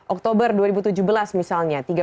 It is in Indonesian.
oktober dua ribu tujuh belas misalnya